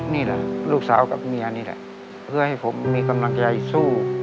นี่แหละลูกสาวกับเมียนี่แหละเพื่อให้ผมมีกำลังใจสู้